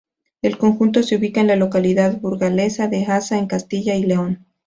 El conjunto se ubica en la localidad burgalesa de Haza, en Castilla y León.